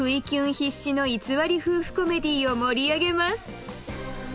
必至の偽り夫婦コメディーを盛り上げます